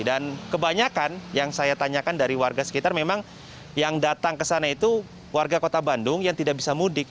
dan kebanyakan yang saya tanyakan dari warga sekitar memang yang datang ke sana itu warga kota bandung yang tidak bisa mudik